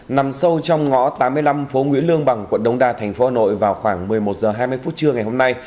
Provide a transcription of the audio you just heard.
nằm sâu trong ngõ tám mươi năm phố nguyễn lương bằng quận đông đa thành phố hà nội vào khoảng một mươi một h hai mươi phút trưa ngày hôm nay